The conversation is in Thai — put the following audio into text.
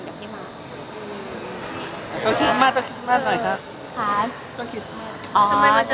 ต้องคิสมาส